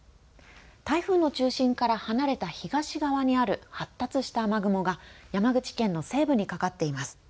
台風の中心から離れた東側にある発達した雨雲が山口県の西部にかかっています。